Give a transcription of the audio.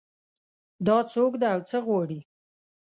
دا څوک ده او څه غواړي